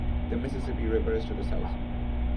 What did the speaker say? The Mississippi River is to the south.